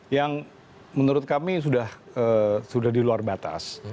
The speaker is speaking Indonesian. yang menurut kami sudah di luar batas